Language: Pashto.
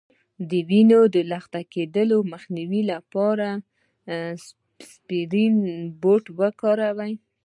د وینې د لخته کیدو مخنیوي لپاره اسپرین بوټی وکاروئ